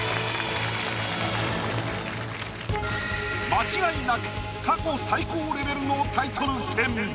間違いなく過去最高レベルのタイトル戦。